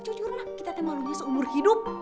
kalau jujur mah kita mah malunya seumur hidup